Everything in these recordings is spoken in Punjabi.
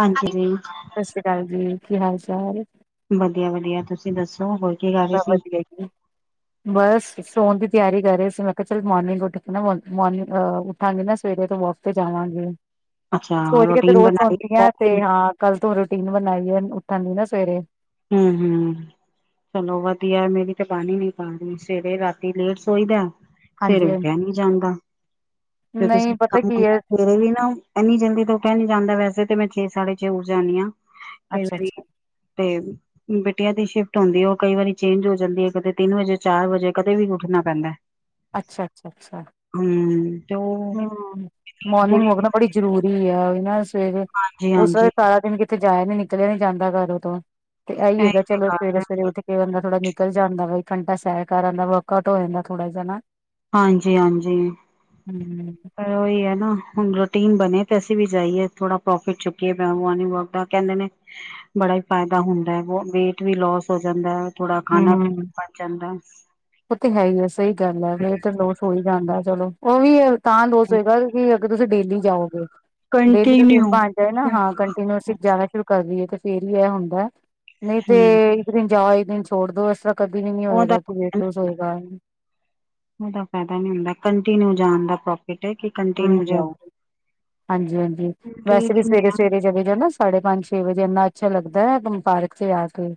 ਹਾਂਜੀ ਜੀ ਸਾਸ਼ਰੀ ਕਾਲ ਜੀ। ਕੀ ਹਾਲ ਚਾਲ। ਵਧੀਆ ਵਧੀਆ ਤੁਸੀਂ ਦੱਸੋ। ਹੋਰ ਕੀ ਕਰ ਰਹੇ ਸਬ ਸੀ? ਵਧੀਆ ਜੀ ਬਸ ਸੋਣ ਦੀ ਤਿਆਰੀ ਕਰ ਰੇ ਸੀ। ਮੈਂ ਕਿਆ ਚੱਲ ਮੋਰਨਿੰਗ ਉੱਠ ਕੇ ਮੋਰਿੰਗ ਉੱਠਾਂਗੇ ਨਾ ਸਵੇਰੇ ਤੋਂ ਵਾਕ- ਜਾਵਾਂਗੇ। ਅੱਛਾ ਚੋਰੀਆਂ ਤੇ ਰੋਟੀਨ ਰੋਜ਼ ਬਣਾਈ ਹੋਂਦੀਆਂ ਜੋਬ ਤੇ। ਦੀ ਹਾਂ ਕੱਲ੍ਹ ਤੋ ਰੂਟੀਨ ਬਣਾਈ ਐ ਉੱਠਣ ਦੀ ਨਾ ਸਵੇਰੇ। ਹੂੰ ਹੂੰ ਚਲੋ ਵਧੀਆ ਮੇਰੀ ਤੇ ਬਣ ਈ ਨੀ ਪਾ ਰੀ। ਸਵੇਰੇ ਰਾਤੀ ਲੇਟ ਸੋਈਦਾ। ਸਵੇਰੇ ਹਾਂਜੀ ਹਾਂਜੀ ਉੱਠਿਆ ਨੀ ਜਾਂਦਾ। ਜਦੋਂ ਨਹੀਂ ਸਵੇਰੇ ਪਤਾ ਕੰਮ ਕੀ ਹੁੰਦਾ। ਹੈ ਫੇਰ ਵੀ ਨਾ ਏਨੀ ਜਲਦੀ ਤਾ ਉਠਿਆ ਨੀ ਜਾਂਦਾ। ਵੈਸੇ ਤੇ ਮੈਂ ਛੇ ਸਾਢੇ ਛੇ ਉਠ ਜਾਂਨੀ ਆਂ। ਅੱਛਾ ਅੱਛਾ ਤੇ ਬਿਟੀਆਂ ਦੀ ਸ਼ਿਫਟ ਹੁੰਦੀ ਏ ਓ ਕਈ ਵਾਰੀ ਚੇਂਜ ਹੋ ਜਾਂਦੀ ਏ। ਕਦੇ ਤਿੰਨ ਵਜੇ ਚਾਰ ਵਜੇ ਕਦੇ ਵੀ ਉੱਠਣਾ ਪੈਂਦਾ। ਅੱਛਾ ਅੱਛਾ ਅੱਛਾ। ਹੂੰ। ਤੇ ਉਹ ਹੂੰ ਮੋਰਨਿੰਗ ਕੁੜੀ ਵੋਕ ਨਾ ਬੜੀ ਜ਼ਰੂਰੀ ਐ। ਏਨਾਂ ਸਵੇਰੇ ਹਾਂਜੀ ਉਸ- ਹਾਂਜੀ ਸਾਰਾ ਦਿਨ ਕਿਤੇੇ ਜਾਇਆ ਨੀ ਨਿਕਲਿਆ ਨੀ ਜਾਂਦਾ ਘਰ ਓ ਤੋਂ। ਤੇ ਆਈ ਇਹੀ ਹੈਗਾ ਤੇ ਚਲੋ ਗੱਲ ਸਵੇਰੇ ਹੈ -ਸਵੇਰੇ ਉਠ ਕੇ- ਬੰਦਾ ਥੋੜਾ ਨਿਕਲ ਜਾਂਦਾ ਬ‌ਈ ਘੰਟਾ ਸੈਰ ਕਰ ਆਂਦਾ। ਵਰਕਆਊਟ ਓ ਜਾਂਦਾ ਥੋੜਾ ਜਾ ਨਾ। ਹਾਂਜੀ ਹਾਂਜੀ ਹੂੰ। ਪਰ ਓਈ ਐ ਨਾ ਹੁਣ ਰੂਟੀਨ ਬਣੇ ਤੇ ਅਸੀਂ ਵੀ ਜਾਈਏ, ਥੋੜਾ ਪ੍ਰੋਫਿਟ ਚੁੱਕੀਏ ਮੋਰਨਿੰਗ ਵਾਕ ਦਾ। ਕੇਂਦੇ ਨੇ- ਬੜਾ ਈ ਫੈਦਾ ਹੁੰਦਾ ਐ ਵੇਟ ਵੀ ਲੋਸ ਹੋ ਜਾਂਦਾ ਐ। ਥੋੜਾ ਖਾਣਾ ਪਚ ਜਾਂਦਾ। ਓ ਤੇ ਹੈ ਈ ਐ ਸਹੀ ਗੱਲ ਐ ਵੇਟ ਤੇ ਲੋਸ ਹੋ ਈ ਜਾਂਦਾ। ਚਲੋ ਓ ਵੀ ਤਾਂ ਲੋਸ਼ ਹੋਏਗਾ ਕੀ- ਅਗਰ ਤੁਸੀਂ ਡੇਲੀ ਜਾਓਗੇ। ਡੇਲੀ ਰੂਟੀਨ ਕੰਟੀਨਿਊ ਬਣ ਜਾਏ ਨਾ ਹਾਂ ਕੰਟਨਿਊ ਅਸੀਂ ਜਾਣਾ ਸ਼ੁਰੂ - ਕਰੀਏ ਤੇ ਫੇਰ ਈ ਐ ਹੁੰਦਾ। ਨਹੀਂ ਤੇ ਹਮ ਇੱਕ ਦਿਨ ਜਾਓ ਇੱਕ ਦਿਨ ਛੋੜ ਦੋ ਏਸ ਰ੍ਹਾਂ- ਕਭੀ ਨੀ ਉਹਦਾ ਹੋਏਗਾ ਕਿ ਵੇਟ ਲੋਸ ਹੋਏਗਾ। ਓਦਾ ਫੈਦਾ ਨੀ ਹੁੰਦਾ ਕੰਟੀਨਿਊ ਜਾਣ ਦਾ ਪ੍ਰੋਪ- [unintelligible] ਹਾਂਜੀ- ਹਾਂਜੀ ਹਾਂਜੀ- ਹਾਂਜੀ। ਵੈਸੇ ਵੀ ਸਵੇਰੇ ਸਵੇਰੇ ਚਲੇ ਜਾਣਾ। ਸਾਢੇ ਪੰਜ ਛੇ ਵਜੇ ਏਨਾ ਅੱਛਾ ਲੱਗਦਾ ਕੇ ਪਾਰਕ 'ਚ ਆ ਕੇ।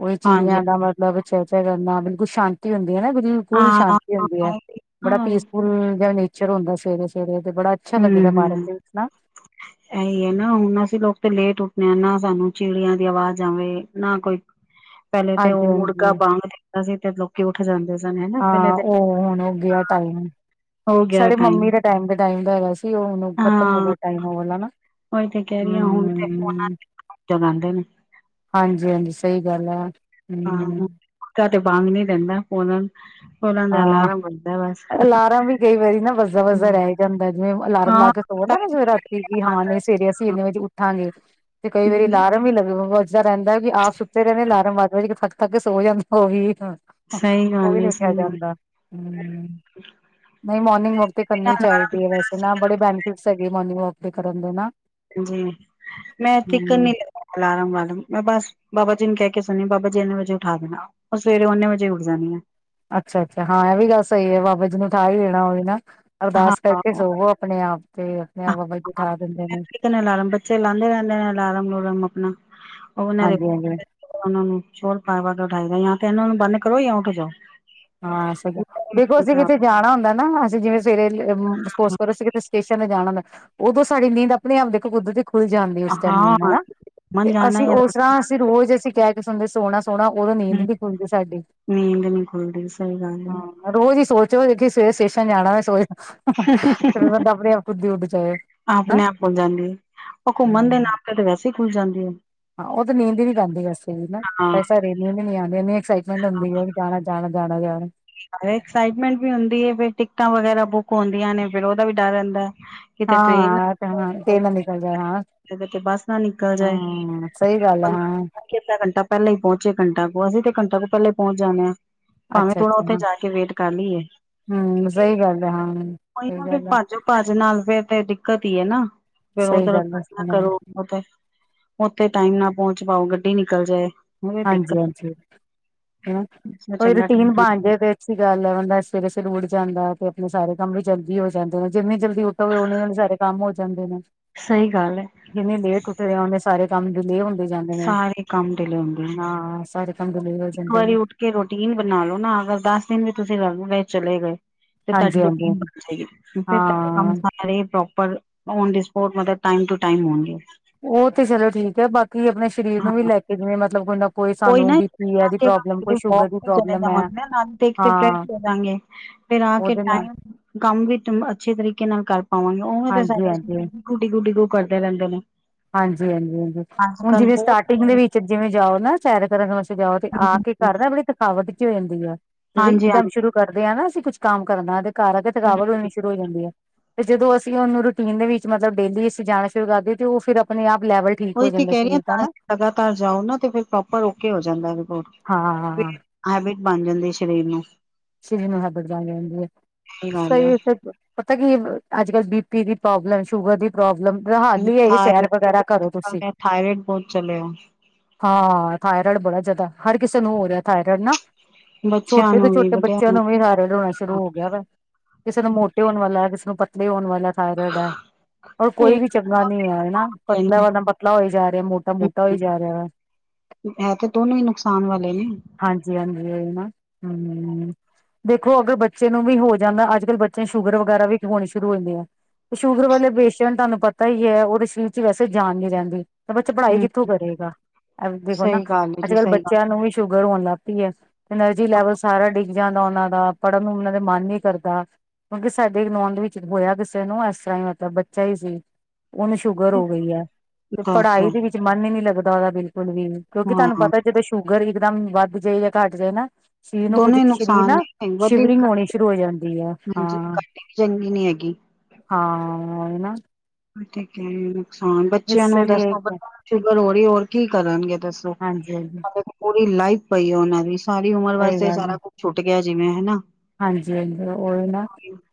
ਓਵੀ ਹਾਂਜੀ ਚਿੜੀਆਂ ਦਾ ਮਤਲਬ- ਚੈਂ ਚੈਂ ਕਰਨਾ ਬਿਲਕੁਲ ਸ਼ਾਂਤੀ ਹੁੰਦੀ ਐ ਨਾ। ਬਿਲਕੁਲ ਹਾਂ ਸ਼ਾਂ- ਹੁੰਦੀ ਐ। ਹਾਂ ਬੜਾ ਹਮ ਪੀਸਫੁਲ ਜਿਆ ਨੇਚਰ ਹੁੰਦਾ ਸਵੇਰੇ -ਸਵੇਰੇ। ਤੇ ਬੜਾ- ਅੱਛਾ ਲੱਗਦਾ ਪਾਰਕ ਹੂੰ। ਦੇ ਵਿੱਚ ਨਾ। ਏਹੀ ਐ ਨਾ ਹੁਣ ਅਸੀਂ ਲੋਕ ਤੇ ਲੇਟ ਉੱਠਣੇ ਆਂ। ਨਾ ਸਾਨੂੰ ਚਿੜੀਆਂ ਦੀ ਆਵਾਜ਼ ਆਵੇ ਨਾ ਕੋਈ- [inaudible] ਪੈਲੇ ਤੇ ਓ ਮੁਰਗਾ ਹਾਂਜੀ-ਹਾਂਜੀ ਬਾਂਗ ਦਿੰਦਾ ਸੀ ਤੇ ਲੋਕੀ ਉੱਠ ਜਾਂਦੇ ਸਨ ਹੈਂ। ਹਾਂ ਓ ਹੁਣ ਓ ਗਿਆ ਟਾਈਮ ਹੋ ਗਿਆ ਸਾਡੇ ਮੰਮੀ ਦੇ- ਟਾਈਮ ਦੇ ਟਾਈਮ ਦਾ ਹੈਗਾ ਸੀ ਉਹਨੂੰ ਖ਼ਤਮ ਹੋ ਹਾਂ ਗਿਆ ਟਾਈਮ ਵਾਲਾ ਉਹੀ ਤੇ ਕਹਿ ਰਹੀ ਹੁਣ ਤੇ ਫੋਨਾਂਦੇ [unintelligible] ਨੇ। ਹਾਂਜੀ ਹਾਂਜੀ, ਸਹੀ ਗੱਲ ਐ। ਹਂ। ਕਪੜਾ ਤੋਂ ਪਾਨ ਨੀ ਦੇਂਦਾ। ਹੁਣ ਉਹਨਾਂ ਦਾ ਹਾਂ। ਅਲਾਰਮ ਵਜਦਾ ਬਸ। ਅਲਾਰਮ ਵੀ ਕਈ ਵਾਰੀ ਨਾ ਵੱਜਦਾ ਵੱਜਦਾ ਹਂ। ਰਹਿ ਜਾਂਦਾ ਜਿਵੇਂ ਅਲਾਰਮ ਲਾ ਕੇ ਸੋ ਨਾ ਰਾਤੀ ਕਿ ਹਾਂ ਨਈਂ ਸਵੇਰੇ ਅਸੀਂ ਇਨੇ ਵਿੱਚ ਉੱਠਾਂਗੇ। ਤੇ ਕਈ ਵਾਰੀ ਲਾਰਮ ਹੀ ਲੱਗੇਗਾ ਵਜ ਰਹਿੰਦਾ ਵੀ ਆਪ ਸੁੱਤੇ ਰਹਿੰਦੇ ਅਲਾਰਮ ਵੱਧ ਵੱਜ ਕੇ ਥੱਕ-ਥੱਕ ਸੋ ਜਾਂਦਾ ਉਹ ਵੀ ਸਹੀ ਗੱਲ ਐ। ਖਿਆ ਜਾਂਦਾ। ਹਂ। ਨਈਂ ਮੋਰਨਿੰਗ ਵੋਕ ਤੇ ਬਿਨਾਂ ਕਰਨੀ ਅਲਾਰਮ ਚਾਈਦੀ ਐ, ਵੈਸੇ ਨਾ ਬੜੇ ਬੈਨੀਫਿਟਸ ਹੈਗੇ ਮੋਰਨਿੰਗ ਵੋਕ ਤੇ ਕਰਨ ਦੇ ਨਾ। ਜੀ, [unintelligible] ਇੱਕ ਹਮ ਅਲਾਰਮ-ਵਾਰਮ ਮੈਂ ਬਸ ਬਾਬਾ ਜੀ ਨੂੰ ਕਹਿ ਕੇ ਸੁਣੀ ਬਾਬਾ ਜੀ ਇਹਨੇ ਵਜੇ ਉਠਾ ਦੇਣਾ। ਉਹ ਸਵੇਰੇ ਓਨੇ ਵਜੇ ਉਠ ਜਾਣੀ ਆ। ਅੱਛਾ ਅੱਛਾ, ਹਾਂ ਇਹ ਵੀ ਗੱਲ ਸਹੀ ਐ, ਬਾਬਾ ਜੀ ਨੂੰ ਉਠਾ ਹੀ ਦੇਣਾ ਹੋਵੇ ਨਾ ਅਰਦਾਸ ਕਰਕੇ ਹਾਂ ਸੋਵੋ। ਆਪਣੇ ਆਪ ਤੇ ਆਪਣੇ ਆਪ ਬਾਬਾ ਜੀ ਉਠਾ ਦਿੰਦੇ ਨੇ। [unintelligible] ਲਾਰਮ, ਬੱਚੇ ਲਾਂਦੇ ਰਹਿੰਦੇ ਨੇ ਅਲਾਰਮ ਲੂਰਮ ਆਪਣਾ ਉਹ ਉਹਨਾਂ ਦੇ ਹਾਂਜੀ ਹਾਂਜੀ ਉਹਨਾਂ ਨੂੰ ਚੋਰ ਪਾਏ ਵ ਕੇ ਉਠਾਈਦਾ ਜਾਂ ਤੇ ਇਹਨਾਂ ਨੂੰ ਬੰਨ ਕਰੋ ਜਾਂ ਉੱਠ ਜਾਓ। ਹਾਂ, ਸਹੀ ਗੱਲ। ਦੇਖੋ ਅਸੀਂ ਕਿਤੇ ਜਾਣਾ ਹੁੰਦਾ ਨਾ ਅਸੀਂ ਜਿਵੇਂ ਸਵੇਰੇ ਅ ਸਪੋਸ ਕਰੋ ਅਸੀਂ ਕਿਤੇ ਸਟੇਸ਼ਨ ਤੇ ਜਾਣਾ ਨਾ ਉਦੋਂ ਸਾਡੀ ਨੀਂਦ ਆਪਣੇ ਆਪ ਦੇਖੋ ਕੁਦਰਤੀ ਖੁੱਲ ਜਾਂਦੀ ਉਸ ਟਾਈਮ ਦੀ ਹਾਂ ਹਨਾਂ ਮਨ ਤੇ ਜਾਣਾ ਅਸੀਂ ਉਸ ਸਰ੍ਹਾਂ ਜਾਂ ਅ ਰੋਜ਼ ਅਸੀਂ ਕਹਿ ਕੇ ਸੁਣਦੇ ਸੋਣਾ ਸੋਣਾ ਉਦੋਂ ਨੀਂਦ ਨੀ ਖੁੱਲਦੀ ਸਾਡੀ। ਨੀਂਦ ਨ੍ਹੀਂ ਖੁੱਲਦੀ ਸਹੀ ਗੱਲ ਐ। ਹਾਂ ਰੋਜ਼ ਈ ਸੋਚੋ [unintelligible] ਸਵੇਰੇ ਸਟੇਸ਼ਨ ਜਾਣਾ ਐ ਸੋਜੋ। [unintelligible] ਨਾ ਆਪਣੇ ਆਪ ਖੁੱਲ ਜਾਂਦੀ ਏ, ਉਹ ਘੁੰਮਣ ਦੇ ਹੂੰ ਨਾਲ। ਫਿਰ ਤੇ ਵੈਸੇ ਹੀ ਖੁੱਲ ਜਾਂਦੀ ਏ। ਹਾਂ ਉਹ ਤੇ ਨੀਂਦ ਹੀ ਨੀ ਪੈਂਦੀ ਵੈਸੇ ਨਾ ਹਾਂ। [unintelligible] ਨੀਂਦ ਨੀ ਆਂਦੀ ਇਨੀ ਐਕਸਾਈਟਮੈਂਟ ਹੁੰਦੀ ਐ। ਜਾਣਾ ਜਾਣਾ ਜਾਣਾ ਜਾਣਾ। ਐਕਸਾਈਟਮੈਂਟ ਵੀ ਹੁੰਦੀ ਐ, ਫਿਰ ਟਿਕਟਾਂ ਵਗੈਰਾ ਬੁੱਕ ਹੁੰਦੀਆਂ ਨੇ ਫੇਰ ਉਹਦਾ ਵੀ ਡਰ ਰਹਿੰਦਾ। ਹਾਂ ਕਿਤੇ ਟ੍ਰੇਨ ਹਾਂ ਇਹ ਨਾ ਤਾਂ ਤੇਲ ਨਾ ਨਿਕਲ ਜਾਏ ਹਾਂ। ਤੇ ਬੱਸ ਨਾ ਨਿਕਲ ਜਾਏ। ਹਾਂ ਸਹੀ ਗੱਲ ਹੈ ਹਾਂ [unintelligible] ਕਿੰਨਾ ਘੰਟ ਪਹਿਲੇ ਹੀ ਪਹੁੰਚੇ ਘੰਟਾ ਕੋ ਅਸੀਂ ਤੇ ਘੰਟਾ ਕੋ ਪਹਿਲੇ ਪਹੁੰਚ ਜਾਣੇ ਆਂ। ਅੱਛਾ ਥੋੜਾ ਅੱਛਾ ਉੱਥੇ ਹਾਂ ਜਾ ਕੇ ਵੇਟ ਕਰ ਲਈਏ, ਹੂੰ ਕਿਉਂਕਿ ਸਹੀ ਗੱਲ ਹੈ ਹਾਂ ਉਹੀ ਸਹੀ ਨਾ ਫਿਰ ਗੱਲ ਹੈ ਭਾਜੋ ਭੱਜ ਨਾਲ ਫੇਰ ਤੇ ਦਿੱਕਤ ਈ ਏ ਨਾ ਫੇਰ ਉਹ ਸਹੀ ਗੱਲ [unintelligible] ਹੈ ਕਰੋ। ਉਥੇ ਉੱਥੇ ਟਾਈਮ ਨਾ ਪਹੁੰਚ ਪਾਓ ਗੱਡੀ ਨਿਕਲ ਜਾਏ। ਉਹ ਹਾਂਜੀ ਦਿੱਕਤ ਹਾਂਜੀ, ਹਨਾਂ ਹੈ। ਕੋਈ ਚੰਗਾ ਟਾਈਮ ਰੂਟੀਨ ਬਣ ਨਾਲ, ਜੇ ਤੇ ਅੀ ਗੱਲ ਐ ਬੰਦਾ ਸਵੇਰੇ-ਸਵੇਰੇ ਉੱਠ ਜਾਂਦਾ ਤੇ ਆਪਣੇ ਸਾਰੇ ਕੰਮ ਵੀ ਜਲਦੀ ਹੋ ਜਾਂਦੇ ਜਿੰਨੀ ਜਲਦੀ ਉਠ [unintelligible] ਸਾਰੇ ਕੰਮ ਹੋ ਜਾਂਦੇ ਨੇ। ਸਹੀ ਗੱਲ ਏ। ਜਿੰਨੀ ਲੇਟ ਉੱਠ ਦਿਆ ਉਨੇ ਸਾਰੇ ਕੰਮ ਡੀਲੇ ਹੁੰਦੇ ਜਾਂਦੇ ਨੇ। ਸਾਰੇ ਕੰਮ ਡਿਲੇ ਹੁੰ ਨਾ ਸਾਰੇ ਕੰੰਮ ਡਿਲੇ ਹੋ ਜਾਂਦੇ ਨੇ। ਉੱਠ ਕੇ ਰੋਟੀਨ ਬਣਾ ਲੋ ਨਾ ਅਗਰ ਦਸ ਦਿਨ ਵੀ ਤੁਸੀਂ ਲਗਗੇ ਚਲੇ ਗਏ। ਤੇ ਤੁਹਾਡੀ ਹਾਂਜੀ ਹਾਂਜੀ ਰੂਟੀਨ ਬਣ ਜਾਏਗੀ, ਫੇਰ ਤੁਹਾਡੇ ਕੰਮ ਹਾਂ ਸਾਰੇ ਸਾਰੇ ਪ੍ਰੋਪਰ ਓਨ ਦੀ ਸਪੋਰਟ ਮਤਲਬ ਟਾਈਮ ਟੂ ਟਾਈਮ ਹੋਣਗੇ। ਉਹ ਤੇ ਚਲੋ ਠੀਕ ਐ ਬਾਕੀ ਆਪਣੇ ਸਰੀਰ ਨੂੰ ਹਾਂ ਵੀ ਲੈ ਕੇ ਜਿਵੇਂ ਮਤਲਬ ਕੋ ਕੋਈ ਨਾ ਆ ਕੇ ਨਾ ਵੋਕ ਦੀ ਤੇ ਚਲੇ ਪ੍ਰੋਬਲਮ ਹੈ ਜਾਵਾਂਗੇ ਨਾ, ਦੇਖ ਕੇ ਆ ਕੇ ਫਰੈਸ਼ ਹਾਂ ਹੋ ਜਾਗੇ। ਫਿਰ ਆ ਕੇ ਉਹਦੇ ਨਾਲ ਟਾਈਮ ਕੰਮ ਵੀ ਅੱਛੇ ਤਰੀਕੇ ਨਾਲ ਕਰ ਪਾਵਾਂਗੇ, ਉਵੇ ਤਾਂ ਹਾਂਜੀ ਸਾਰਾ ਹਾਂਜੀ ਦਿਨ ਡਿਗੁ, ਡਿਗੁ ਕਰਦੇ ਰਹਿੰਦੇ ਨੇ। ਹਾਂਜੀ ਹਾਂਜੀ ਹਾਂਜੀ ਅੱਜ ਹੁਣ ਕੱਲ ਜਿਵੇਂ ਬਹੁਤ ਸਟਾਰਟਿੰਗ ਦੇ ਵਿੱਚ ਜਿਵੇਂ ਜਾਓ ਨਾ ਸੈਰ ਕਰਨ ਜਾਓ ਤੇ ਆ ਕੇ ਘਰ ਨਾ ਬੜੀ ਥਕਾਵਟ ਜੀ ਹੋ ਜਾਂਦੀ ਐ। ਤੇ ਫਿਰ ਹਾਂਜੀ ਹਾਂਜੀ ਇੱਕਦਮ ਹਮ। ਸ਼ੁਰੂ ਕਰਦੇ ਆ ਨਾ ਅਸੀਂ ਕੁੱਛ ਕੰਮ ਕਰਨਾ ਤੇ ਘਰ ਆਗੇ ਥਕਾਵਟ ਹੋਣੀ ਸ਼ੁਰੂ ਹੋ ਜਾਂਦੀ ਐ ਤੇ ਜਦੋਂ ਅਸੀਂ ਔਨੂੰ ਰੂਟੀਨ ਦੇ ਵਿੱਚ ਮਤਲਬ ਡੇਲੀ ਅਸੀਂ ਜਾਣਾ ਸ਼ੁਰੂ ਕਰਦੀਏ ਤੇ ਉਹ ਫਿਰ ਅਪਣੇ ਆਪ ਲੈਵਲ ਓਈ ਤੇ ਕੈ ਰੀ ਆ ਦਾ ਤਾਂ ਨਾ ਲਗਾਤਾਰ ਜਾਓ ਨਾ, ਤੇ ਫਿਰ ਪ੍ਰੋਪਰ ਓਕੇ ਹੋ ਜਾਂਦੈ ਰਿਪੋਟ। ਹਾਂ ਹੈਬਿਟ ਬਣ ਜਾਂਦੀ ਏ ਸਰੀਰ ਨੂੰ। ਸੇਮ ਹੈਬੀਟ ਬਾਣ ਜਾਂਦੀ ਐ, ਗੱਲ ਸਹੀ ਆ ਐ ਫਿਰ ਤੇ। ਪਤੈ ਕੀ ਏ ਅੱਜ-ਕੱਲ੍ਹ ਬੀ ਪੀ ਦੀ ਪ੍ਰੋਬਲਮ, ਸ਼ੂਗਰ ਦੀ ਪ੍ਰੋਬਲਮ ਫਿਰ ਹਾਲ ਐ ਸੈਰ ਵਗੈਰਾ ਕਰੋ ਤੁਸੀਂ। ਥਾਇਰਡ ਥਾਇਰਡ ਬਹੁਤ ਚਲਿਆ ਹਾਂ, ਥਾਇਰਡ ਬੜਾ ਜਾਦਾ ਹਰ ਕਿਸੇ ਨੂੰ ਹੋ ਰਿਐ ਥਾਇਰੋਡ ਨਾ, ਬੱਚਿਆਂ ਛੋਟੇ ਤੋਂ ਨੂੰ ਵੀ ਛੋਟੇ ਬੱਚ ਵੱਡਿਆਂ ਚੇ ਨੂੰ ਵੀ ਥਾਇਰਡ ਹੋਣਾ ਸ਼ੁਰੂ ਹੋ ਗਿਆ ਵਾ, ਕਿਸੇ ਨੂੰ ਮੋਟੇ ਹੋਣ ਵਾਲਾ ਕਿਸੇ ਨੂੰ ਪਤਲੇ ਹੋਣ ਵਾਲਾ। ਥਾਈਰੈਡ ਐ। ਔਰ ਕੋਈ ਸਹੀ ਵੀ ਚੰਗਾ ਨੀ ਹੈ ਨਾ ਗੱਲ ਪਤਲਾ ਵਾਲਾ ਪਤਲਾ ਹੋਈ ਜਾ ਰਿਹਾ ਮੋਟਾ ਹੈ ਮੋਟਾ ਹੋਈ ਜਾ ਰਿਹਾ ਵਾ। ਹੈ ਤੇ ਦੋਨੋ ਈ ਨੁਕਸਾਨ ਵਾਲੇ ਨੇ। ਹਾਂਜੀ ਹਾਂਜੀ, ਔਈ ਨਾ ਹੂੰ। ਦੇਖੋ ਅਗਰ ਬੱਚੇ ਨੂੰ ਵੀ ਹੋ ਜਾਂਦਾ, ਅੱਜ-ਕੱਲ੍ਹ ਬੱਚੇ ਨ ਸ਼ੂਗਰ ਵਗੈਰਾ ਵੀ ਹੋਣੀ ਸ਼ੁਰੂ ਹੋ ਜਾਂਦੀ ਐ। ਸ਼ੂਗਰ ਵਾਲੇ ਪੇਸ਼ੈਂਟ ਤਾਨੂੰ ਪਤਾ ਹੀ ਐ ਓਦੇ ਸਰੀਰ ਚ ਵੈਸੇ ਜਾਨ ਨੀ ਰੈੰਦੀ। ਤਾ ਬੱਚਾ ਪੜ੍ਹਾਈ ਹੂੰ, ਕਿੱਥੋਂ ਕਰੇਗਾ, ਦੇਖੋ ਸਹੀ ਨਾ ਗੱਲ ਏ ਜੀ ਅੱਜ-ਕੱਲ੍ਹ ਸਹੀ ਗੱਲ ਬੱਚਿਆਂ ਨੂੰ ਵੀ ਸ਼ੂਗਰ ਹੋਣ ਲੱਗ ਪੀ ਐ। ਐਨਰਜੀ ਲੈਵਲ ਸਾਰਾ ਡਿੱਗ ਜਾਂਦਾ ਓਨਾਂ ਦਾ। ਪੜ੍ਹਨ ਨੂੰ ਉਨਾਂ ਦੇ ਮਨ ਨੀ ਕਰਦਾ। ਕਿਉਂਕਿ ਸਾਡੇ ਇੱਕ ਲੋਜ ਵਿੱਚ ਹੋਇਆ ਕਿਸੇ ਨੂੰ ਐਸ ਤਰ੍ਹਾਂ ਹੀ ਮਤਲਬ ਬੱਚਾ ਹੀ ਸੀ ਓਨੂੰ ਸ਼ੂਗਰ ਹੋ ਗਈ ਐ, ਤੇ ਦੱਸ ਪੜ੍ਹਾਈ ਦੇ ਵਿੱਚ ਮਨ ਵੀ ਨੀ ਲੱਗਦਾ ਓਦਾ ਬਿਲਕੁਲ ਵੀ, ਕਿਉਂਕਿ ਤਾਨੂੰ ਹਾਂ ਪਤਾ ਜਦੋਂ ਸੁ਼ ਸ਼ੂਗਰ ਇੱਕਦਮ ਵੱਧ ਜਾਏ ਜਾਂ ਘੱਟ ਜਾਏ ਨਾ ਸਰੀਰ ਨੂੰ ਕੁੱਝ ਦੋਨੋਂ ਈ ਸਰੀਰ ਨੁਕਸਾਨ ਨਾ ਨੇ ਵਧੀ ਵੀ ਸ਼ਿਵਰਿੰਗ ਤੇ ਹੋਣੀ ਘਟੀ ਸ਼ੁਰੂ ਹੋ ਜਾਂਦੀ ਹੈ ਵੀ ਹਾਂਜੀ ਹਾਂ ਘਟੀ ਵੀ ਚੰਗੀ ਨੀ ਹੈਗੀ। ਹਾਂ, ਏ ਨਾ ਔਰ ਠੀਕ ਏ। ਨੁਕਸਾਨ ਬੱਚਿਆਂ ਇਸ ਨੂੰ ਲਈ ਦੱਸੋ ਸ਼ੂਗਰ ਹੋਰੀ ਏ ਹੋਰ ਕੀ ਕਰਨਗੇ ਦੱਸੋ। ਹਾਂਜੀ ਹਾਂਜੀ ਪੂਰੀ ਲਾਈਫ ਪਈ ਆ ਓਨਾਂ ਦੀ, ਸਾਰੀ ਉਮਰ ਸਹੀ ਵਾਸਤੇ ਗੱਲ ਸਾਰਾ ਹੈ ਕੁੱਛ ਛੁੱਟ ਗਿਆ ਜਿਵੇਂ ਹਨਾ। ਹਾਂਜੀ ਹਾਂਜੀ, ਓਹੀ ਨਾ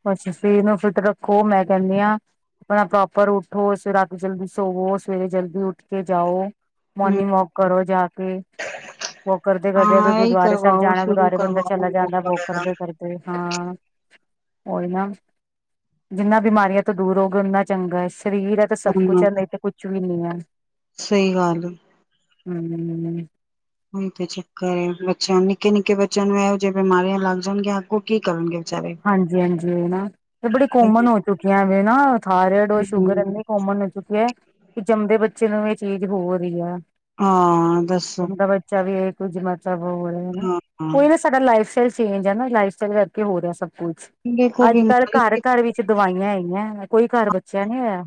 ਬਸ ਏ ਸਰੀਰ ਨੂੰ ਫਿਟ ਰੱਖੋ ਮੈਂ ਕੈੰਣੀ ਆਂ। ਅਪਣਾ ਪ੍ਰੋਪਰ ਉੱਠੋ, ਸਵੇ ਰਾਤੀ ਜਲਦੀ ਸੋਵੋ, ਸਵੇਰੇ ਜਲਦੀ ਉੱਠ ਕੇ ਜਾਓ।। ਹੂੰ, ਮੋਰਨਿੰਗ ਵੋਕ ਕਰੋ ਜਾ ਕੇ। ਵੋਕ ਕਰਦੇ ਕਰਦੇ ਅਗਰ ਹਾਂ ਇਹੀ ਗੁਰਦੁਆਰੇ ਸਾਹਿਬ ਕਰਵਾਓ ਜਾਣਾ, ਸ਼ੁਰੂ ਗੁਰਦੁਆਰੇ ਬੰਦਾ ਕਰਵਾਓ ਚਲਾ ਜਾਂਦਾ ਵੋਕ ਵਗੈਰਾ ਕਰਦੇ ਕਰ ਦੇ ਹਾਂ ਔਈ ਨਾ। ਜਿੰਨਾ ਬਿਮਾਰੀਆਂ ਤੋਂ ਦੂਰ ਹੋਗੇ ਉਨਾ ਚੰਗਾ ਏ, ਸਰੀਰ ਅ ਤੇ ਸਭ ਕੁਛ ਹੂੰ, ਐ ਨਈ ਤਾਂ ਕੁਛ ਵੀ ਨੀ ਐ। ਸਹੀ ਗੱਲ ਏ। ਹੂੰ। ਔਈ ਤੇ ਚੱਕਰ ਏ ਬੱਚਿਆਂ ਨੂੰ। ਨਿੱਕੇ-ਨਿੱਕੇ ਬੱਚਿਆਂ ਨੂੰ ਐਹੋ ਜਿਆ ਬਿਮਾਰੀਆਂ ਲੱਗ ਜਾਣਗੀਆਂ ਅੱਗੋ ਕੀ ਕਰਨਗੇ। ਵਿਚਾਰੇ। ਹਾਂਜੀ ਹਾਂਜੀ, ਏਹ ਨਾ ਏ ਬੜੀ ਕੋਮਨ ਹੋ ਚੁੱਕੀਐ, ਐਵੇ ਨਾ ਥਾਇਰਡ ਔਰ ਸ਼ੂਗਰ ਹੂੰ ਏਨੀ ਕੋਮਨ ਹੋ ਚੁੱਕੀ ਐ ਕਿ ਜੰਮਦੇ ਬੱਚੇ ਨੂੰ ਏ ਚੀਜ਼ ਹੋਰੀ ਐ। ਹਾਂ, ਦੱਸੋ। ਚਾ ਵੀ ਏ, ਕੁੱਝ ਮਤਲਬ ਹੋ ਰੇਨਾ। ਹਾਂ ਹਾਂ ਓਹੀ ਨਾ ਸਾਡਾ ਲਾਈਫ ਸਟਾਈਲ ਚੇਂਜ ਐ ਨਾ ਲਾਈਫ ਸਟਾਈਲ ਕਰਕੇ ਹੋ ਰਿਐ ਸਭ ਕੁਛ। ਦੇਖੋ ਅੱਜ-ਕੱਲ੍ਹ ਬਿਮਾਰੀ ਘਰ-ਘਰ ਵਿੱਚ ਦਵਾਈਆਂ ਹੈਗੀਐ, ਕੋਈ ਘਰ ਬੱਚਿਆ ਨੀ ਹੋਇਆ।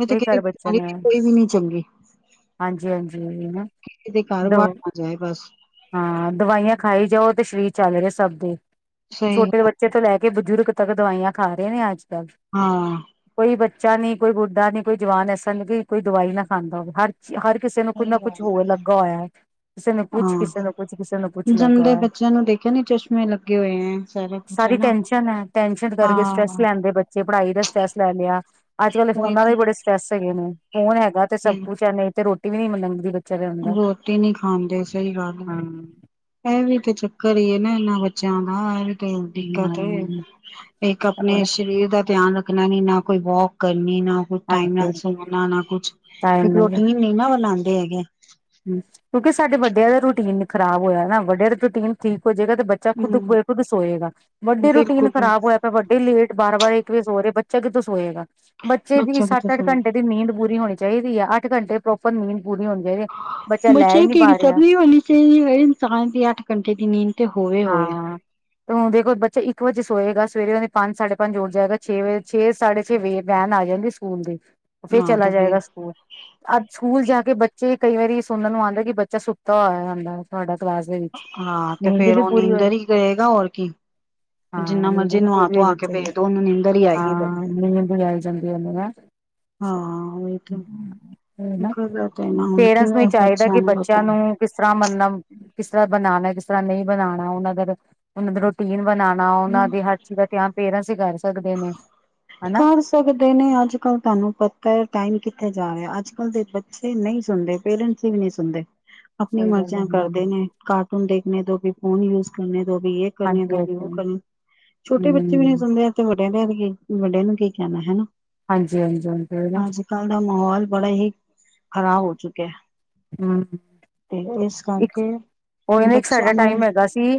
ਮੈਂ ਤੇ ਕੋਈ ਕੈ ਰੀ ਘਰ ਬੀਮਾਰੀ, ਕੋਈ ਵੀ ਨੀ ਚੰਗੀ। ਹਾਂਜੀ-ਹਾਂਜੀ, ਏਹ ਨਾ ਕਿਸੇ ਦੇ ਘਰ ਵਾੜ ਨਾ ਜਾਏ ਬਸ। ਹਾਂ, ਦਵਾਈਆਂ ਖਾਈ ਜਾਓ ਤੇ ਸਰੀਰ ਚੱਲ ਰ‌ਏ ਸਭ ਦੇ, ਸਹੀ ਛੋਟੇ ਵੱਡ ਗੱਲ ਬੱਚੇ ਤੋਂ ਲੈ ਕੇ ਬਜ਼ੁਰਗ ਤੱਕ, ਦਵਾਈਆਂ ਖਾ ਰੇ ਨੇ ਅੱਜ-ਕੱਲ੍ਹ। ਹਾਂ। ਕੋਈ ਬੱਚਾ ਨੀ, ਕੋਈ ਬੁੱਢਾ ਨੀ, ਕੋਈ ਜਵਾਨ ਐਸਾ ਨੀ, ਕੋਈ ਦਵਾਈ ਨਾ ਖਾਂਦਾ ਹੋਵੇ। ਹਰ ਹਰ ਕਿਸੇ ਨੂੰ ਕੁਈ ਸਹੀ ਨਾ ਕੁਛ ਗੱਲ ਹੋ ਲੱਗਾ ਹੋਇਆ, ਕਿਸੇ ਨੂੰ ਕੁਛ ਕਿਸੇ ਹਾਂ ਨੂੰ ਕੁਛ, ਕਿਸੇ ਨੂੰ ਕੁਛ ਲੱਗਾ ਜੰਮਦੇ ਐ, ਬੱਚਿਆਂ ਨੂੰ ਦੇਖਿਆ ਨੀ ਚਸ਼ਮੇ ਲੱਗੇ ਹੋਏ ਹੈ ਸਾਰਾ ਕੁਛ ਸਾਰੀ ਹੈ ਨਾ ਟੈਸ਼ਨ ਆਂ। ਟੈਸ਼ਨ ਕਰਕੇ ਸਟ੍ਰੈੱਸ ਹਾਂ ਲੈਂਦੇ ਬੱਚੇ ਪੜ੍ਹਾਈ ਦਾ ਸਟ੍ਰੈੱਸ ਲੈਂਦੇ ਆ। ਅੱਜ-ਕੱਲ੍ਹ ਉਹੀ ਫੋਨਾਂ ਦੇ ਬੜੇ ਸਟ੍ਰੈੱਸ ਹੈਗੇ ਨੇ। ਫੋਨ ਹੈਗਾ ਤੇ ਸਭ ਕੁੱਛ ਐੇ, ਨਹੀ ਤੇ ਰੋਟੀ ਵੀ ਨੀ ਮੰਨਗਦੀ ਬੱਚ ਰੋਟੀ ਨ੍ਹੀਂ ਖਾਂਦੇ, ਸਹੀ ਗੱਲ। ਹੈ ਹਾਂ। ਇਹ ਵੀ ਤੇ ਚੱਕਰ ਈ ਨਾ ਇਹਨਾਂ ਬੱਚਿਆਂ ਦਾ, ਇਹ ਵੀ ਇਹੀ ਦਿੱਕਤ ਏ, ਹਮ ਇੱਕ ਆਪਣੇ ਹੋਰ ਸਰੀਰ ਦਾ ਧਿਆਨ ਰੱਖਣਾ ਨੀ, ਨਾ ਕੋਈ ਵੋਕ ਕਰਨੀ ਨਾ ਕੁ ਟਾਈਮ ਹਾਂਜੀ ਨਾਲ ਹਾਂਜੀ ਸੌਣਾ ਨਾ ਕੁਛ, ਟਾਈਮ ਇੱਕ ਨਹੀਂ ਰੋਟੀਨ ਨੀ ਨਾ ਬਣਾਉਂਦੇ ਹੈਗੇ। ਕਿਉਂਕਿ ਸਾਡੇ ਵੱਡਿਆਂ ਦਾ ਰੂਟੀਨ ਖਰਾਬ ਹੋਇਆ ਨਾ, ਵੱਡਿਆਂ ਦਾ ਰੂਟੀਨ ਠੀਕ ਹੋਜੇਗਾ ਤੇ ਬਚ ਬਚਾ ਖੁਦ ਹੂੰ ਬੇ ਖੁਦ ਸੋਏਗਾ, ਵੱਡੇ ਰੂਟੀਨ ਬਿਲਕੁਲ ਖਰਾਬ ਹੋਇਆ ਤਾਂ ਵੱਡੇ ਲੇਟ, ਬਾਰਾ-ਬਾਰਾ ਇਕ ਤੁਸੀ ਸੋ ਰਹੇ ਬੱਚਾ ਕਿਥੋਂ ਸੋਏਗਾ, ਬੱਚੇ ਦੀ ਬੱਚਿਆਂ ਕਿੱਥੇ ਸੱਤ-ਅੱਠ ਸੋਣ ਘੰਟੇ ਦੀ ਨੀਂਦ ਪੂਰੀ ਹੋਣੀ ਚਾਹੀਦੀ ਆ, ਅੱਠ ਘੰਟੇ ਪ੍ਰੋਪਰ ਨੀਂਦ ਪੂਰੀ ਹੋਣੀ ਚਾਈਦੀ ਏ। ਬੱਚਿਆਂ ਨੂੰ ਕ‌ਈ ਡਿਸਟ੍ਰਬ ਨੀ ਹੋਣੀ ਚਾਈਦੀ, ਫਿਰ ਇਨਸਾਨ ਦੀ ਅੱਠ ਘੰਟੇ ਦੀ ਨੀਂਦ ਤੇ ਹੋਵੇ-ਹੋਵੇ। ਹਾਂ। ਤੇ ਹੁਣ ਦੇਖੋ ਬੱਚਾ ਇੱਕ ਵਜੇ ਸੋਏਗਾ, ਸਵੇਰੇ ਉਹਨੇ ਪੰਜ ਸਾਢੇ ਪੰਜ ਉਠ ਜਾਏਗਾ, ਛੇ ਵਜੇ, ਛੇ ਸਾਢੇ ਛੇ ਵੇ ਵੈਨ ਆ ਜਾਂਦੀ ਸਕੂਲ ਦੀ, ਉਹ ਫੇਰ ਹਾਂ ਚਲਾ ਤੇ ਜਾਏਗਾ ਫਿਰ ਸਕੂਲ। ਅਜ, ਸਕੂਲ ਜਾ ਕੇ ਬੱਚੇ ਕਈ ਵਾਰੀ ਸੁਣਨ ਨੂੰ ਆਉਂਦਾ, ਕਿ ਬੱਚਾ ਸੁੱਤਾ ਹੋਇਆ ਆਂਦਾ ਤੁਹਾਡਾ ਕਲਾਸ ਨੀ ਹਾਂ ਤੇ ਫੇਰ [unintelligible] ਉਹ ਨੀਂਦਰ ਈ 'ਚ ਰਹੇਗਾ ਹੋਰ ਕੀ ਹਾਂ ਜਿੰਨਾ ਨੀਂਦ ਮਰਜੀ ਨੀ ਪੂਰੀ ਹੋਈ ਨੁਆ-ਧੁਆ ਕੇ ਬੱਚੇ ਦੀ ਭੇਜ ਦਿਓ, ਉਹਨੂੰ ਨੀਂਦਰ ਈ ਆਏਗੀ ਜਾਂਦੀਆ ਨੇ ਹਾਂ ਉਹੀ ਤੇ ਨਾ ਗਲਤ ਹੈ ਨਾ ਹੁਣ ਪੇਰੈਂਟਸ ਨੂੰ ਈ ਕਿਵੇਂ ਚਾਹੀਦਾ, ਕਿ ਨੂੰ ਰੋਕਿਆ। ਬੱਚਿਆਂ ਹੂੰ, ਨੂੰ ਕਿਸ ਤਰ੍ਹਾਂ ਮੰਨਬ ਕਿਸ ਤਰ੍ਹਾਂ ਬਣਾਨਾ, ਕਿਸ ਤਰ੍ਹਾਂ ਨਹੀਂ ਬਣਾਣਾ ਹੁਣ ਅਗਰ ਉਹਨਾਂ ਦੇ ਰੂਟੀਨ ਬਣਾਂਣਾ, ਉਹਨਾਂ ਦੇ ਹਰ ਚੀਜ਼ ਦਾ ਧਿਆਨ ਪੇਰੈਂਟਸ ਈ ਕਰ ਸਕਦੇ ਨੇ, ਹਨਾ। ਕਰ ਸਕਦੇ ਨੇ, ਅੱਜ-ਕੱਲ੍ਹ ਤੁਹਾਨੂੰ ਪਤਾ ਐ ਟਾਈਮ ਕਿੱਥੇ ਜਾ ਰਿਹਾ, ਅੱਜ-ਕੱਲ੍ਹ ਦੇ ਬੱਚੇ ਨਹੀਂ ਸੁਣਦੇ ਪੇਰੈਂਟਸ ਅਸੀ ਵੀ ਨਹੀਂ ਸੁਣਦੇ। [inaudible] ਆਪਣੀ ਹੈ ਮਰਜ਼ੀਆਂ ਕਰਦੇ ਨੇ, ਕਾਰਟੂਨ ਦੇਖਣੇ ਦੋ ਵੀ, ਫੋਨ ਯੂਜ ਕਰਨੇ ਦੋ ਵੀ, ਜੇਹ ਕਰਨੇ ਹਾਂਜੀ ਦੋ ਉਹ ਹਾਂਜੀ ਕਰਨੇ, ਛੋਟੇ ਬੱਚੇ ਵੀ ਨੀ ਹਮ ਸੁਣਦੇ ਵੱਡਿਆਂ ਦਾ ਵੀ ਕੀ, ਵੱਡਿਆਂ ਨੂੰ ਕੀ ਕਹਿਣਾ, ਹਨਾ। ਹਾਂਜੀ-ਹਾਂਜੀ, ਹਾਂਜੀ ਤੇ ਨਾ। ਕਲ੍ਹ ਦਾ ਮਾਹੌਲ ਬੜਾ ਹੀ ਖ਼ਰਾਬ ਹੋ ਚੁੱਕਿਆ। ਹਮ, ਤੇ ਇਸ ਇੱਕ ਕਰਕੇ ਉਹੀ ਨਾ ਇੱਕ ਸਾਡਾ ਬੱਚਿਆਂ ਨੂੰ ਟਾਈਮ ਹੈਗਾ ਸੀ। ਕਿ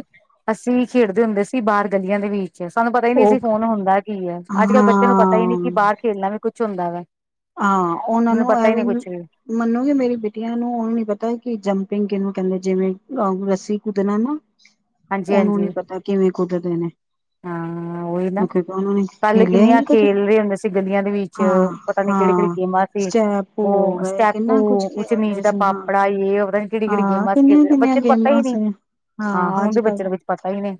ਅਸੀਂ ਖੇਡਦੇ ਹੁੰਦੇ ਸੀ ਬਾਰ ਗਲੀਆਂ ਦੇ ਵਿੱਚ ਅੱਜ ਸਾਨੂੰ ਪਤਾ ਈ ਨਹੀ ਸੀ ਉਹ ਫੋਨ ਹੁੰਦਾ ਕੀ ਐ, ਅੱਜ-ਕੱਲ੍ਹ ਬੱਚੇ ਨੂੰ ਪਤਾ ਈ ਨਹੀਂ ਹਾਂ ਕਿ ਬਾਹਰ ਖੇਲਣਾ ਵੀ ਕੁੱਛ ਹੁੰਦਾ ਵਾ। ਹਾਂ ਉਹਨਾਂ ਮੈਨੂੰ ਨੂੰ ਪਤਾ ਹੀ ਨੀ ਐਵੇਂ ਕੁੱਛ ਵੀ ਮੰਨੋਗੇ ਮੇਰੀ ਬੇਟੀਆਂ ਨੂੰ ਉਹਨੂੰ ਨੀ ਪਤਾ ਕਿ ਜੰਪਿੰਗ ਕਿਹਨੂੰ ਕਹਿੰਦੇ ਜਿਵੇਂ ਰੱਸੀ ਕੁਦਣਾ ਨਾ। ਹਾਂਜੀ ਉਹਨੂੰ ਨੀ ਹਾਂਜੀ ਪਤਾ ਕਿਵੇਂ ਕੁੱਦਦੇ ਨੇ। ਹਾਂ ਉਹੀ ਨਾ ਕਿਉਂਕਿ ਉਹਨੂੰ ਨੇ ਪਹਲੇ ਖੇਲਿਆ ਹੀ ਕਿੰਨੀਆਂ ਨੀ ਕਦੇ ਖੇਲ ਰਹੇ ਹੁੰਦੇ ਸੀ ਗਲੀਆਂ ਦੇ ਵਿੱਚ ਹਾਂ ਪਤਾ ਨੀ ਕਿਹੜੀ ਕਿਹੜੀ ਹਾਂ ਗੇਮਾਂ ਸੀ ਸਟੈਪ ਹੋ ਉਹ ਗਏ ਸਟੈਪੂ ਕਿੰਨਾ ਕੁਛ ਉਚਨੀਚ ਖੇਲਦੇ ਦਾ ਸੀ ਹਾਂ ਪਾਪੜਾ ਯਹ ਵੋ ਪਤਾ ਨਹੀਂ ਕਿਹੜੀ ਕਿਹੜੀ ਹਾਂ ਗੇਮਾਂ ਸੀ ਕਿੰਨੀਆਂ ਕਿੰਨੀਆਂ ਬੱਚੇ ਨੂੰ ਪਤਾ ਗੇਮਾਂ ਹੀ ਨਹੀਂ। ਸੀ ਹਾਂ ਹੁਣ ਵੀ ਬੱਚੇ ਨੂੰ ਕੁਛ ਪਤਾ ਹੀ ਨਹੀਂ।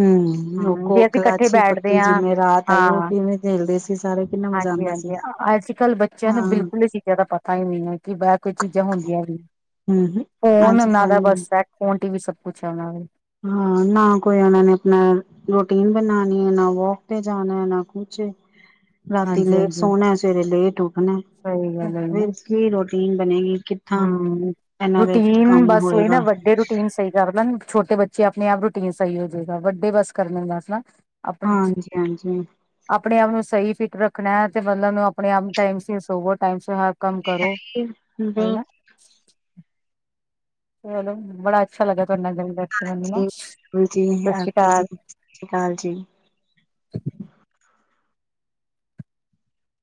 ਹੂੰ ਉਹ ਹਮ ਕੋ ਜੇ ਅਸੀਂ ਇਕੱਠੇ ਕਲਾਚੀ ਬੈਠਦੇ ਪੱਕੀ ਹਾਂ ਜਿਵੇਂ ਰਾਤ ਆਈ ਉਹ ਹਾਂ ਕਿਵੇਂ ਖੇਲਦੇ ਸੀ ਸਾਰੇ ਕਿੰਨਾ ਮਜ਼ਾ ਹਾਂਜੀ ਆਉਂਦਾ ਹਾਂਜੀ ਸੀਗਾ। ਅੱਜ ਕੱਲ੍ਹ ਬੱਚਿਆਂ ਹਾਂ ਨੂੰ ਬਿਲਕੁਲ ਇਹ ਚੀਜ਼ਾਂ ਦਾ ਪਤਾ ਹੀ ਨਹੀਂ ਹੈ। ਕਿ ਬਾਹਰ ਕੋਈ ਚੀਜ਼ਾਂ ਹੁੰਦੀਆਂ ਵੀ। ਹਮ ਫੋਨ ਅੱਜ ਉਹਨਾਂ ਕੱਲ ਦਾ ਬਸ ਹੈ ਫੋਨ ਟੀ ਵੀ ਸਭ ਕੁਛ ਹੈ ਉਹਨਾਂ ਦੇ ਹਾਂ ਨਾ ਕੋਈ ਉਹਨਾਂ ਨੇ ਆਪਣਾ ਰੋਟੀਨ ਬਣਾਣੀ ਹੈ ਨਾ ਵੋਕ ਤੇ ਜਾਣਾ ਨਾ ਕੁਛ ਰਾਤੀ ਹਾਂਜੀ ਲੇਟ ਹਾਂਜੀ ਸੋਣਾ ਸਵੇਰੇ ਲੇਟ ਉੱਠਣਾ ਸਹੀ ਗੱਲ ਹੈ ਨਾ ਫਿਰ ਕੀ ਰੋਟੀਨ ਬਣੇਗੀ। ਕਿੱਥਾਂ ਹਮ, ਇਹਨਾਂ ਦੇ ਰੂਟੀਨ ਕੰਮ ਬਸ ਉਹੀ ਹੋਏਗਾ ਨਾ, ਵੱਡੇ ਰੂਟੀਨ ਸਹੀ ਕਰ ਦੇਣ ਛੋਟੇ ਬੱਚੇ ਬੱਚੇ ਆਪਣੇ ਆਪ ਰੂਟੀਨ ਸਹੀ ਹੋ ਜਾਏਗਾ, ਵੱਡੇ ਬਸ ਕਰਨ ਬਸ ਨਾ ਆਪਣੀ ਹਾਂਜੀ ਹਾਂਜੀ ਆਪਣੇ ਆਪ ਨੂੰ ਸਹੀ ਫਿਟ ਰੱਖਣਾ, ਤੇ ਮਤਲਬ ਆਪਣੇ ਆਪ ਟਾਈਮ ਸਿਰ ਸੋਵੋ, ਟਾਈਮ ਸਿਰ ਹਰ ਕੰਮ ਕਰੋ। ਉਹੀ ਹਮ ਨਾ ਹੋਰ ਬੜਾ ਅੱਛਾ ਲੱਗਾ ਤੁਹਾਡੇ ਨਾਲ ਗੱਲ ਕਰਕੇ ਜੀ ਮੈਨੂੰ, ਬਿਲਕੁਲ ਜੀ ਸਤਿ ਸ੍ਰੀ ਓਕੇ ਜੀ ਅਕਾਲ। ਸਤਿ ਸ਼੍ਰੀ ਅਕਾਲ ਜੀ।